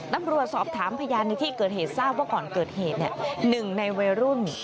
ตำรวจสอบถามพยานในที่เกิดเหตุทราบว่าก่อนเกิดเหตุหนึ่งในวัยรุ่น